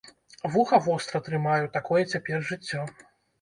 Вуха востра трымаю, такое цяпер жыццё.